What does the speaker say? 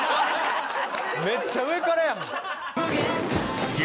めっちゃ上からやん！